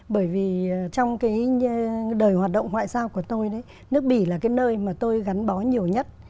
bởi vì trong cái đời hoạt động ngoại giao của tôi nước bỉ là cái nơi mà tôi gắn bó nhiều nhất